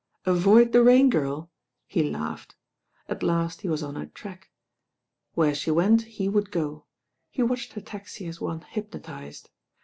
Avoid the Rain. Girl I He laughed. At last he was on her track. WUrc she went he would go. He watched her taxi as one hypnotised.